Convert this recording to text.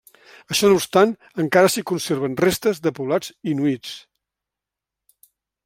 Això no obstant, encara s'hi conserven restes de poblats inuits.